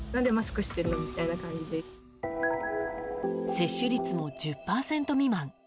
接種率も１０％未満。